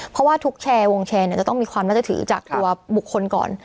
เพราะว่าทุกแชร์วงแชร์จะต้องมีความน่าจะถือจากตัวบุคคลก่อน